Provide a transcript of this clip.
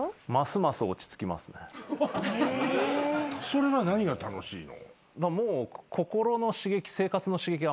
それは何が楽しいの？